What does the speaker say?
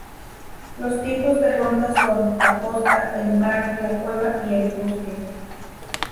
Los tipos de rondas son: la costa, el mar, la cueva y el bosque.